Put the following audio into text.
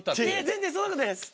全然そんなことないです。